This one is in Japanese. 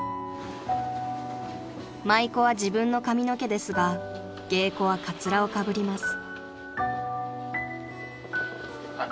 ［舞妓は自分の髪の毛ですが芸妓はかつらをかぶります］